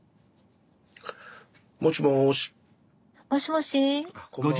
もしもし？もしもし？